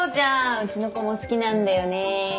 うちの子も好きなんだよね。